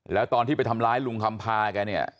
แล้วตอนที่ไปทำร้ายลุงคำพาแกเนี่ย